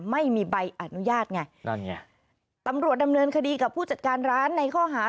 ไม่มีใบอนุญาตไงนั่นไงตำรวจดำเนินคดีกับผู้จัดการร้านในข้อหา